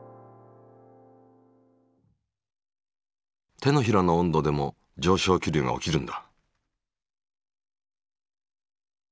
手のひらの温度でも上昇気流が起きるんだ。